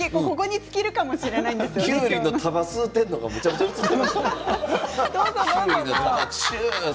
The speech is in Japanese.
きゅうりの束、吸ってるのめちゃめちゃ映っていましたよ。